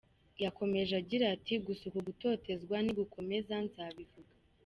Yakomeje agira ati “Gusa uku gutotezwa nigukomeza nzabivuga.